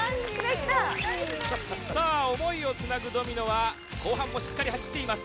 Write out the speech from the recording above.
さあ思いをつなぐドミノは後半もしっかり走っています。